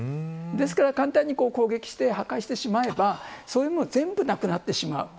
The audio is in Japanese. ですから簡単に攻撃して破壊してしまえばそういうものも全てなくなる。